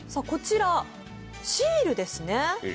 こちら、シールですね。